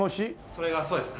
それがそうですね。